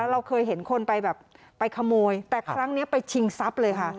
เราเคยเห็นคนไปแบบไปขโมยแต่ครั้งนี้ไปชิงทรัพย์เลยค่ะ